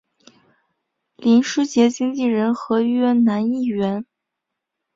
林师杰经理人合约男艺员。